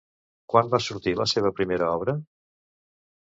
Quan va sortir la seva primera obra?